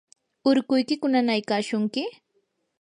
¿urkuykiku nanaykashunki?